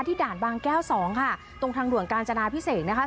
ด่านบางแก้วสองค่ะตรงทางด่วนกาญจนาพิเศษนะคะ